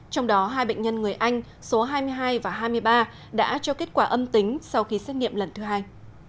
trong đó hai bệnh nhân người anh số hai mươi hai và hai mươi ba đã cho kết quả âm tính sau khi xét nghiệm lần thứ hai